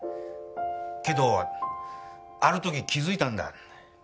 けどある時気づいたんだ。